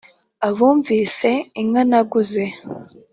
Abumvise inka naguze,